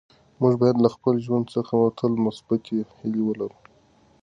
موږ باید له خپل ژوند څخه تل مثبتې هیلې ولرو.